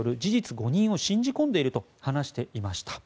誤認を信じ込んでいると話していました。